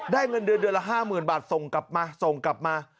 เงินเดือนเดือนละ๕๐๐๐บาทส่งกลับมาส่งกลับมา